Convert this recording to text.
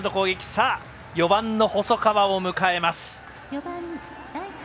さあ、４番の細川を迎えます。